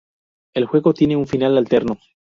El juego tiene un final alterno.